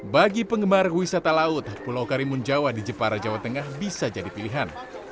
bagi penggemar wisata laut pulau karimun jawa di jepara jawa tengah bisa jadi pilihan